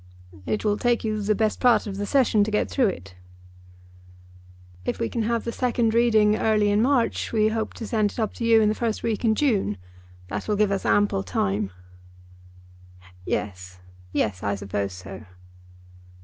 "It will take you the best part of the Session to get through it?" "If we can have the second reading early in March, we hope to send it up to you in the first week in June. That will give us ample time." "Yes; yes. I suppose so."